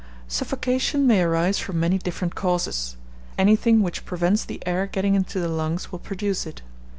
Suffocation may arise from many different causes. Anything which prevents the air getting into the lungs will produce it.